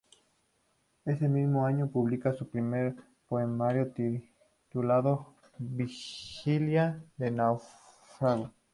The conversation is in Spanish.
Ese mismo año publica su primer poemario titulado "Vigilia del Náufrago".